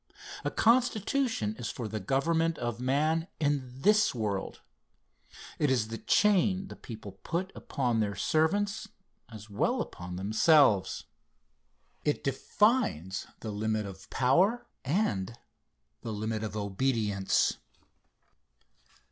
A constitution is for the government of man in this world. It is the chain the people put upon their servants, as well as upon themselves. It defines the limit of power and the limit of obedience.